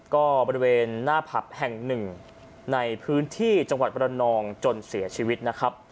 ก็บริเวณหน้าผับแห่งหนึ่งในพื้นที่จังหวัดบรรนองจนเสียชีวิตนะครับ